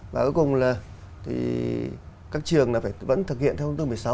và cuối cùng là thì các trường là phải vẫn thực hiện theo thông tư một mươi sáu